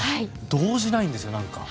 動じないんです、何か。